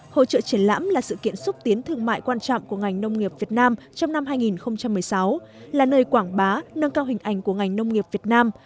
hội trợ triển lãm là sự kiện xúc tiến thương mại quan trọng của ngành nông nghiệp việt nam trong năm hai nghìn một mươi sáu là nơi quảng bá nâng cao hình ảnh của ngành nông nghiệp việt nam